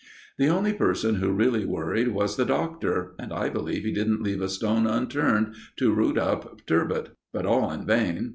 The only person who really worried was the Doctor, and I believe he didn't leave a stone unturned to rout up "Turbot." But all in vain.